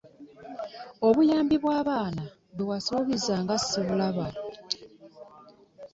Obuyambi bw'abaana bwe wansuubiza nga ssibulaba!